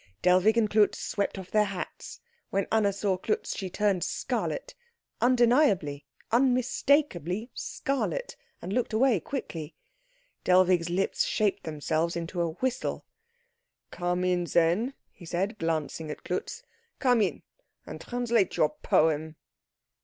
Dellwig and Klutz swept off their hats. When Anna saw Klutz she turned scarlet undeniably, unmistakably scarlet and looked away quickly. Dellwig's lips shaped themselves into a whistle. "Come in, then," he said, glancing at Klutz, "come in and translate your poem."